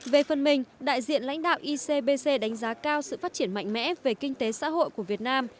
về phần mình đại diện lãnh đạo icbc đánh giá cao sự phát triển mạnh mẽ về kinh tế xã hội của việt nam